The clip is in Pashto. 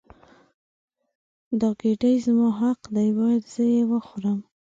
دا ګیډۍ زما حق دی باید زه یې وخورم.